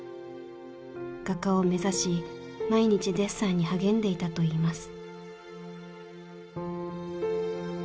画家を目指し毎日デッサンに励んでいたといいます。